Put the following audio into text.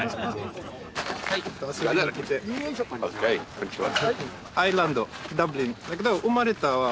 こんにちは。